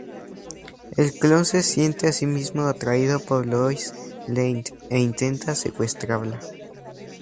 El clon se siente asimismo atraído por Lois Lane e intenta secuestrarla.